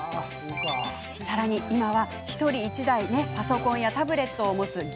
さらに今は１人１台パソコンやタブレットを持つＧＩＧＡ